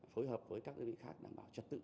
phối hợp với các lực lượng khác đảm bảo trật tự